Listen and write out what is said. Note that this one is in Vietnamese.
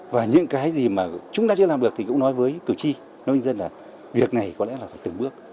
và những cái gì mà chúng ta chưa làm được thì cũng nói với cử tri nói với dân là việc này có lẽ là phải từng bước